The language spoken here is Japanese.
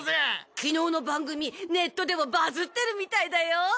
昨日の番組ネットでもバズってるみたいだよ。